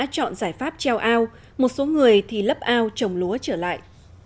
chọn giải pháp treo ao một số người thì lấp ao trồng lúa trở lại